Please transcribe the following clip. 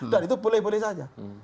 dan itu boleh boleh saja